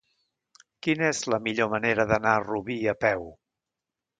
Quina és la millor manera d'anar a Rubí a peu?